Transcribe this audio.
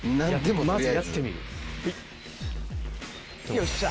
よっしゃ。